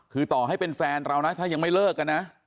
คือต่อให้เป็นแฟนเรานะถ้ายังไม่เลิกกันนะ